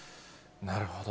なるほど。